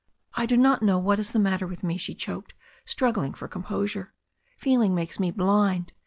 "I do not know what is the matter with me," she choked, struggling for composure. "Feeling makes' me blind.